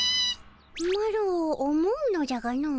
マロ思うのじゃがの。